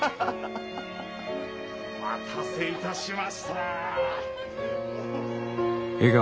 お待たせいたしました。